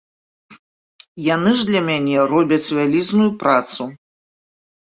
Яны ж для мяне робяць вялізную працу.